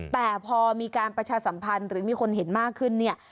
แต่พอมีการประชาสัมพันธ์หรือมีคนเห็นมากขึ้นเนี่ย